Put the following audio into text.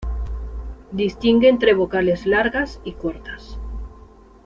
Distingue entre vocales largas y cortas.